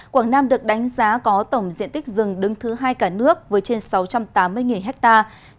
quảng nam được đánh giá có tổng diện tích rừng đứng thứ hai cả nước với trên sáu trăm tám mươi hectare